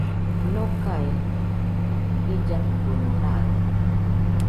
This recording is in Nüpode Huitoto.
Nokae jillakɨmo raɨ